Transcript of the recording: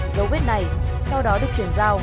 dấu vết này sau đó được chuyển giao